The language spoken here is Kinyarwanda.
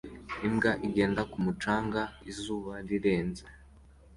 Imbwa igenda ku mucanga izuba rirenze